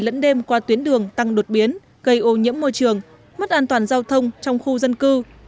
lẫn đêm qua tuyến đường tăng đột biến gây ô nhiễm môi trường mất an toàn giao thông trong khu dân cư